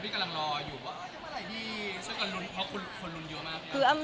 พี่กำลังรออยู่ว่ามีอะไรดีเสียงกันร้อนมาก